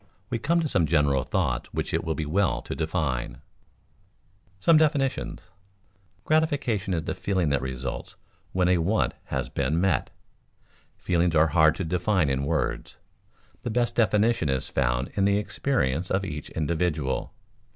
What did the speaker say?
We come to some general thoughts which it will be well to define. [Sidenote: Some definitions] Gratification is the feeling that results when a want has been met. Feelings are hard to define in words; the best definition is found in the experience of each individual.